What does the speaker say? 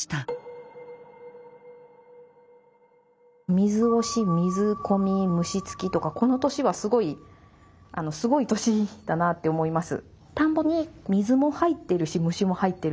「水押し水込み虫付き」とかこの年はすごいすごい年だなって思います。